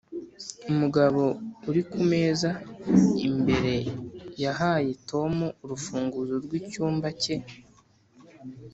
umugabo uri kumeza imbere yahaye tom urufunguzo rwicyumba cye.